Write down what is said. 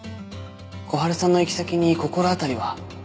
小春さんの行き先に心当たりは？